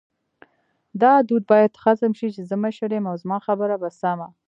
دا دود باید ختم شې چی زه مشر یم او زما خبره به سمه